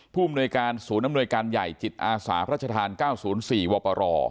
ผู้อำนวยการศูนย์อำนวยการใหญ่จิตอาสาธารณ์๙๐๔วปร